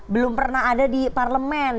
belum pernah ada di parlemen